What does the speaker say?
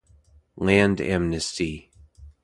Land amnesty.